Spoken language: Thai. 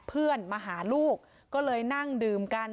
เพื่อนมาหาลูกก็เลยนั่งดื่มกัน